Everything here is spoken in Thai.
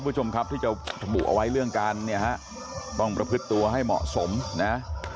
คุณผู้ชมครับที่จะระบุเอาไว้เรื่องการเนี่ยฮะต้องประพฤติตัวให้เหมาะสมนะ